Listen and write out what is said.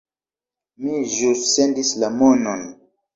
Mi ĵus sendis la monon